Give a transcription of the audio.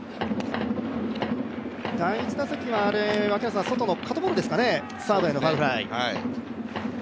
第１打席は外のカットボールですかね、サードへのファイルフライ。